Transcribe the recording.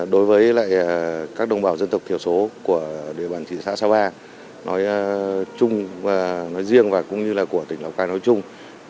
đối với các đồng bào dân tộc tiểu số của địa bàn thị xã xà và nói riêng và cũng như của tỉnh lào cai nói chung